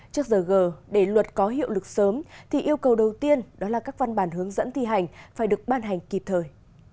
trước giờ gờ để luật có hiệu lực sớm yêu cầu đầu tiên là các văn bản hướng dẫn thi hành phải được ban hành kịp thời